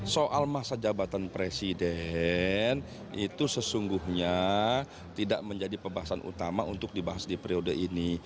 soal masa jabatan presiden itu sesungguhnya tidak menjadi pembahasan utama untuk dibahas di periode ini